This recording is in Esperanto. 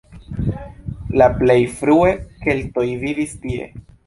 La plej frue keltoj vivis tie.